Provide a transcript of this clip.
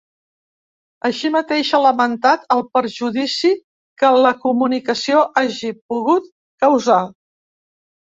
Així mateix, ha lamentat ‘el perjudici que la comunicació hagi pogut causar’.